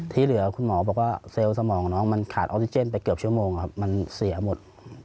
ที่เหลือคุณหมอบอกว่าเซลล์สมองน้องมันขาดออกซิเจนไปเกือบชั่วโมงครับมันเสียหมด